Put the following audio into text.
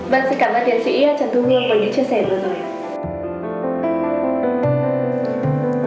vâng xin cảm ơn tiến sĩ trần thu hương với những chia sẻ vừa rồi